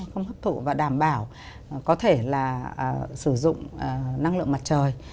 không hấp thụ và đảm bảo có thể là sử dụng năng lượng mặt trời